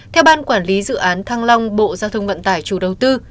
theo ban quản lý dự án thăng long bộ giao thông vận tải chủ đầu tư